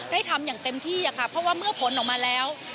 ทำอย่างเต็มที่ค่ะเพราะว่าเมื่อผลออกมาแล้ว